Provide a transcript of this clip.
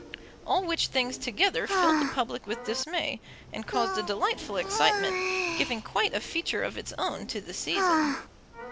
All which things together filled the public with dismay, and caused a delightful excitement, giving quite a feature of its own to the season.